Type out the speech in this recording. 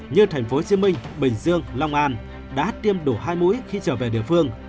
như tp hcm bình dương long an đã tiêm đủ hai mũi khi trở về địa phương